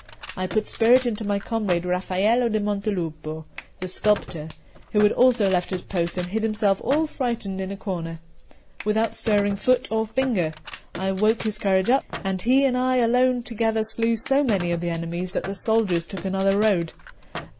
I put spirit into my comrade Raffaello da Montelupo, the sculptor, who had also left his post and hid himself all frightened in a corner, without stirring foot or finger; I woke his courage up, and he and I alone together slew so many of the enemies that the soldiers took another road.